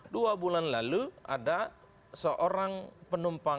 dua bulan lalu ada seorang penumpang